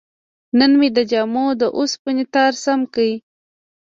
نن مې د جامو د وسپنې تار سم کړ.